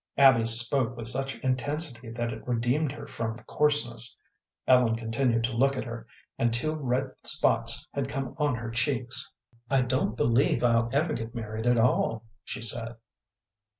Abby spoke with such intensity that it redeemed her from coarseness. Ellen continued to look at her, and two red spots had come on her cheeks. "I don't believe I'll ever get married at all," she said.